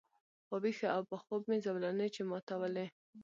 په ویښه او په خوب مي زولنې چي ماتولې